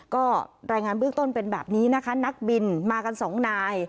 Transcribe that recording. ก็รายงานเบื้องต้นเป็นแบบนี้นะคะนักบินมากันสองนาย